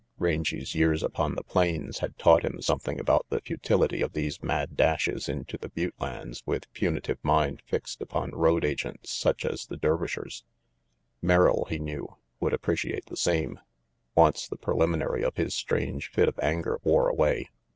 Rangy 's years upon the plains had taught him 6* RANGY PETE something about the futility of these mad dashes into the butte lands with punitive mind fixed upon road agents such as the Dervishers. Merrill, he knew, would appreciate the same, once the preliminary of his strange fit of anger wore away.